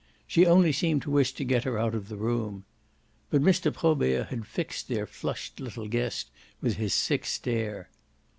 She only seemed to wish to get her out of the room. But Mr. Probert had fixed their flushed little guest with his sick stare.